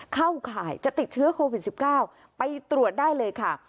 เข้าข่ายจะติดเชื้อโควิดสิบเก้าไปตรวจได้เลยค่ะ